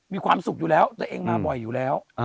มีความสุขอยู่แล้วตัวเองมาบ่อยอยู่แล้ว